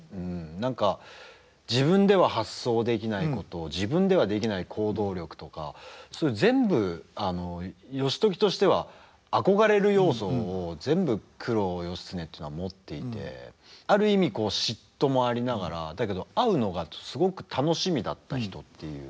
何か自分では発想できないことを自分ではできない行動力とかそういう全部義時としては憧れる要素を全部九郎義経っていうのは持っていてある意味嫉妬もありながらだけど会うのがすごく楽しみだった人っていう。